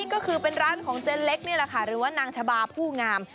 ก็คือเป็นร้านของเจ๊เล็กนี่แหละค่ะหรือว่านางชะบาผู้งาม